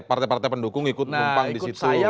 partai partai pendukung ikut numpang disitu nah ikut saya